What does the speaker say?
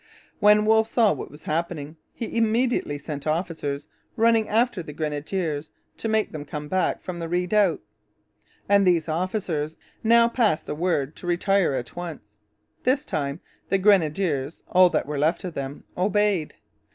When Wolfe saw what was happening he immediately sent officers running after the grenadiers to make them come back from the redoubt, and these officers now passed the word to retire at once. This time the grenadiers, all that were left of them, obeyed.